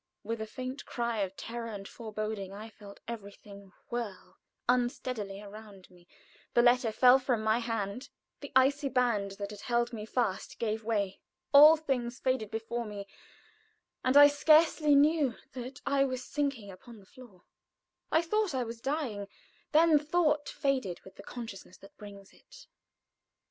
With a faint cry of terror and foreboding, I felt everything whirl unsteadily around me; the letter fell from my hand; the icy band that had held me fast gave way. All things faded before me, and I scarcely knew that I was sinking upon the floor. I thought I was dying; then thought faded with the consciousness that brings it.